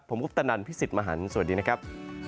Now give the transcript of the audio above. ผมคุปตะนันพี่สิทธิ์มหันฯสวัสดีนะครับ